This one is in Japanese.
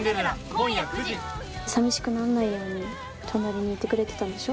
さみしくなんないように隣にいてくれてたんでしょ。